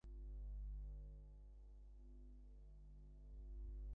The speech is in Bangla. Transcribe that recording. সামাজিক ও মানসিক উন্নতির বিচারে পাশ্চাত্যদেশীয় ভগিনীগণ হইতে মুসলমান নারীর পার্থক্য বিপুল।